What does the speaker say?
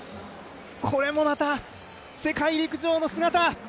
これもまた、世界陸上の姿。